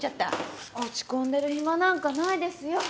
落ち込んでる暇なんかないですよ。